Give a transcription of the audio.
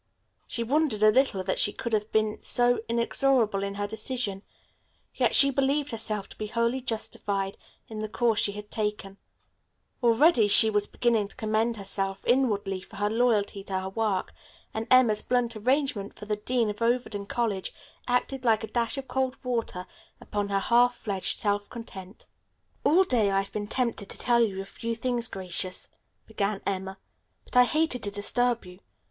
She wondered a little that she could have been so inexorable in her decision, yet she believed herself to be wholly justified in the course she had taken. Already she was beginning to commend herself inwardly for her loyalty to her work, and Emma's blunt arraignment of the dean of Overton College acted like a dash of cold water upon her half fledged self content. "All day I've been tempted to tell you a few things, Gracious," began Emma, "but I hated to disturb you.